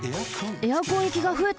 エアコンいきがふえた。